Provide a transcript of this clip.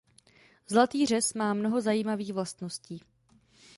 Zlatý řez má mnoho zajímavých vlastností.